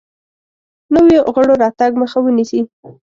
نویو غړو راتګ مخه ونیسي.